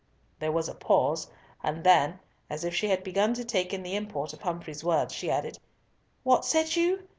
There was a pause, and then, as if she had begun to take in the import of Humfrey's words, she added, "What said you?